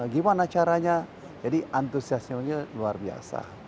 gimana caranya jadi antusiasmenya luar biasa